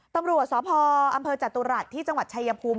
ตำรวจสอจตุรัตน์ที่จังหวัดชายภูมิ